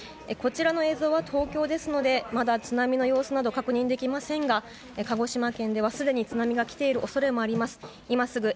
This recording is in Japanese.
こちらの映像は東京ですのでまだ津波の様子など確認できませんが鹿児島県では、すでに津波が来ている恐れもあります。